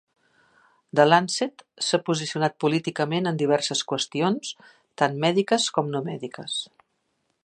"The Lancet" s'ha posicionat políticament en diverses qüestions, tant mèdiques com no mèdiques.